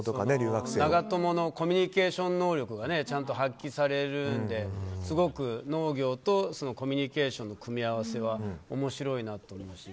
長友のコミュニケーション能力がちゃんと発揮されるんで農業とコミュニケーションの組み合わせは面白いなと思うし。